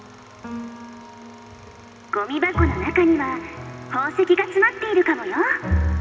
「ごみ箱の中にはほう石がつまっているかもよ！」。